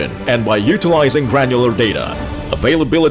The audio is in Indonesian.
dan dengan menggunakan data granulat